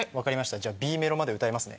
じゃあＢメロまで歌いますね。